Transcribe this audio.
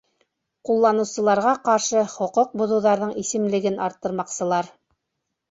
Ҡулланыусыларға ҡаршы хоҡуҡ боҙоуҙарҙың исемлеген арттырмаҡсылар.